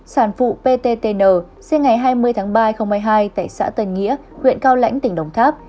sản phụ pttn sinh ngày hai mươi tháng ba hai nghìn hai mươi hai tại xã tân nghĩa huyện cao lãnh tỉnh đồng tháp